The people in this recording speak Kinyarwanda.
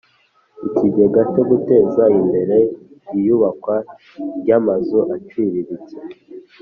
Ikigega cyo guteza imbere iyubakwa ry amazu aciriritse